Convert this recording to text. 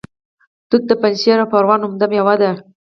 توت د پنجشیر او پروان عمده میوه ده